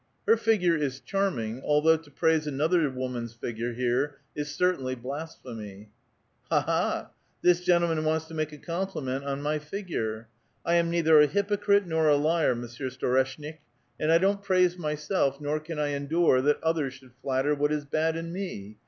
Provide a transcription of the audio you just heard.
" Her figure is charming, although to praise another woman's figure here is certainly blasphemy." "Ha! ha! ha! this gentleman wants to make a compli ment on my figure ! I am neither a hypocrite nor a liar. Mon sieur Storeshnik, and I don't praise myself, nor can I endure that others should flatter what is bad in me.